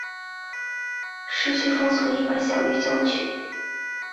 市区风速一般小于郊区。